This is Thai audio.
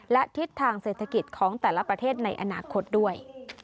และทิศทางเศรษฐกิจของแต่ละประเทศในอนาคตด้วย